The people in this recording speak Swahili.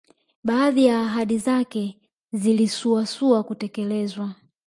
Baadhi ya ahadi zake zilisuasua kutekelezwa